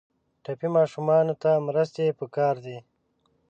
ټپي ماشومانو ته مرستې پکار دي.